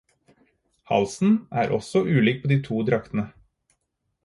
Halsen er også ulik på de to draktene.